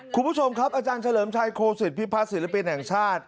คุณผู้ชมครับอาจารย์เฉลิมชัยโคศิษฐพิพัฒนศิลปินแห่งชาติ